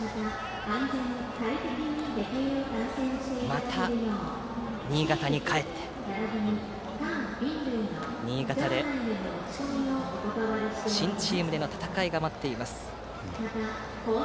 また新潟に帰って、新潟で新チームでの戦いが待っています。